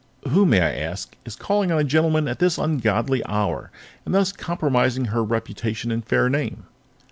"Who, may I ask, is calling on a gentleman at this ungodly hour, and thus compromising her reputation and fair name?"